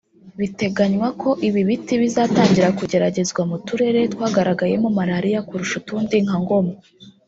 Biteganywa ko ibi biti bizatangira kugeragerezwa mu turere twagaragayemo malaria kurusha utundi nka Ngoma